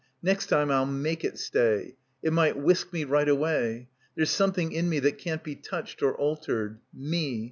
Next time I'll make it stay. It might whisk me right away. There's something in me that can't be touched or altered. Me.